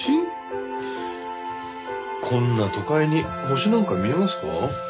こんな都会に星なんか見えますか？